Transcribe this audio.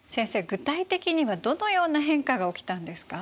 具体的にはどのような変化が起きたんですか？